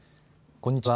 こんにちは。